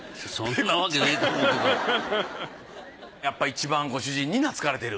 やっぱいちばんご主人に懐かれてる？